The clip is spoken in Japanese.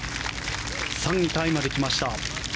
３位タイまできました。